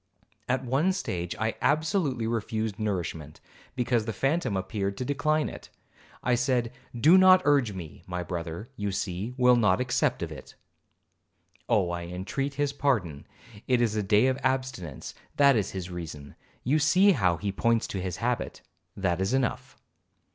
At one stage I absolutely refused nourishment, because the phantom appeared to decline it. I said, 'Do not urge me, my brother, you see, will not accept of it. Oh, I entreat his pardon, it is a day of abstinence,—that is his reason, you see how he points to his habit,—that is enough.'